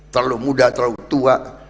terlalu muda terlalu tua